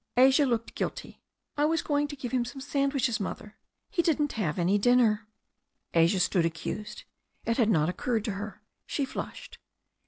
Asia looked guilty. "I was going to give him some sandwiches, Mother. He didn't have any dinner." Alice stood accused. It had not occurred to her. She flushed.